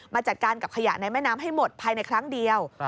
จัดการกับขยะในแม่น้ำให้หมดภายในครั้งเดียว